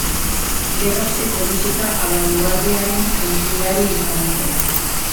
Gerra osteko musika-abangoardiaren aitzindari izan zen.